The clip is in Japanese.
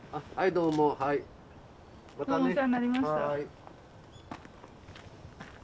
どうもお世話になりました。